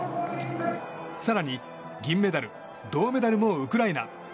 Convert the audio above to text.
更に銀メダル、銅メダルもウクライナ。